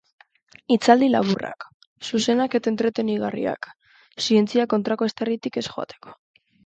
Hitzaldi laburrak, zuzenak eta entretenigarriak, zientzia kontrako eztarritik ez joateko.